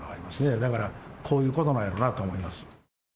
だから、こういうことなんやろうなと思います。